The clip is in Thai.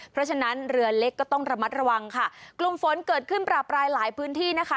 เพราะฉะนั้นเรือเล็กก็ต้องระมัดระวังค่ะกลุ่มฝนเกิดขึ้นประปรายหลายพื้นที่นะคะ